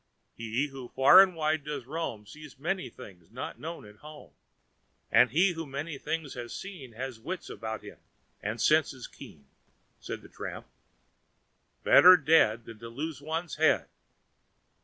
"He who far and wide does roam sees many things not known at home; and he who many things has seen has wits about him and senses keen," said the tramp. "Better dead than lose one's head!